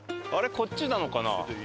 こっちなのかな？